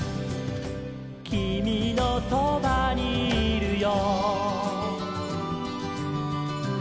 「きみのそばにいるよ」